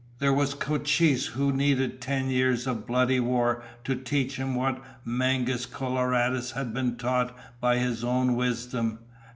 There was Cochise, who had needed ten years of bloody war to teach him what Mangus Coloradus had been taught by his own wisdom.